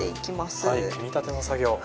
はい組み立ての作業。